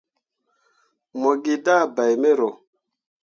Mo gi dah bai mero.